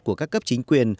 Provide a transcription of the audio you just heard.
của các cấp chính quyền